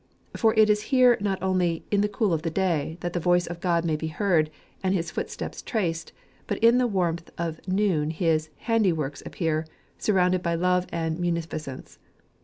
For it is here not only, " in the cool of the day," that fhe voice of God may be heard, and his footsteps traced, but in the warmth of noon his " handy works" appear, surrounded by love and munificence.